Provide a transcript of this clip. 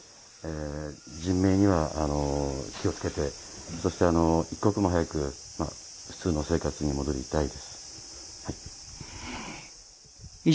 人命には気をつけて、そして一刻も早く普通の生活に戻りたい。